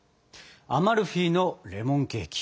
アマルフィのレモンケーキ。